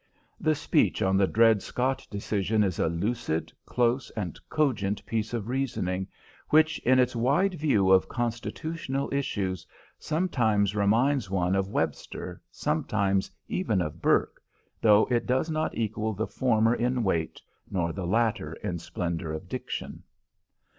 The speech on the Dred Scott decision is a lucid, close and cogent piece of reasoning which, in its wide view of Constitutional issues, sometimes reminds one of Webster, sometimes even of Burke, though it does not equal the former in weight nor the latter in splendour of diction.